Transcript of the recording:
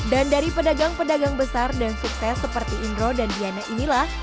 dan dari pedagang pedagang besar dan sukses seperti indro dan diana inilah